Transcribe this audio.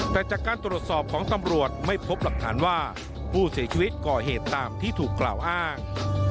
แต่จากการตรวจสอบของตำรวจไม่พบหลักฐานว่าผู้เสียชีวิตก่อเหตุตามที่ถูกกล่าวอ้าง